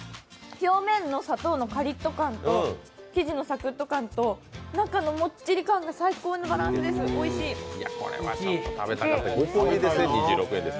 表面の砂糖のカリッと感と生地のサクッと感と中のもっちり感が最高のバランスです。